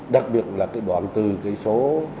đặc biệt là cái đoạn từ số sáu mươi ba